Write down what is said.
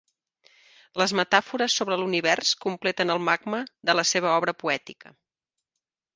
Les metàfores sobre l'univers completen el magma de la seva obra poètica.